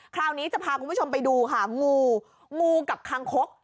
คราวนี้จะพาคุณผู้ชมไปดูค่ะงูงูกับคางคก